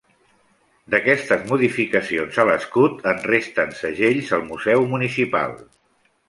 D'aquestes modificacions a l'escut en resten segells al Museu Municipal.